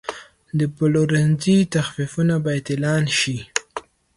د پلورنځي تخفیفونه باید اعلان شي.